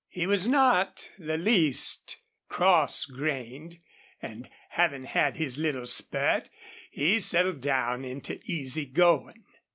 He was not the least cross grained, and, having had his little spurt, he settled down into easy going.